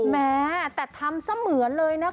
แม้แต่ทำเสมือนเลยนะคะ